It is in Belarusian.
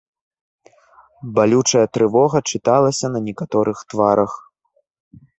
Балючая трывога чыталася на некаторых тварах.